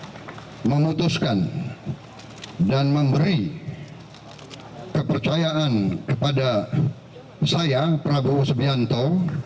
pergerakan indonesia raya telah memutuskan dan memberi kepercayaan kepada saya prabowo sbianto